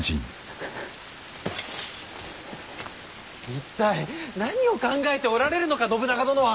一体何を考えておられるのか信長殿は！